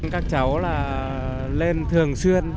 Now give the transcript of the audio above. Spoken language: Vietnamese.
các cháu là lên thường xuyên